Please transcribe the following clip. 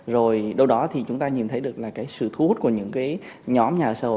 rồi đâu đó thì chúng ta nhìn thấy được là cái sự thu hút của những cái nhóm nhà ở xã hội